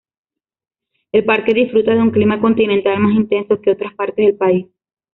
El parque disfruta de un clima continental más intenso que otras partes del país.